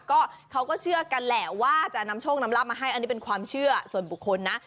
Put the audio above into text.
ก็เขาก็เชื่อกันแหละว่าจะนำโชคนำลับมาให้อันนี้เป็นความเชื่อส่วนบุคคลนะ